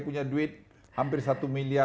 punya duit hampir satu miliar